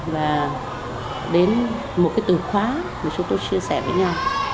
và đến một cái từ khóa mà chúng tôi chia sẻ với nhau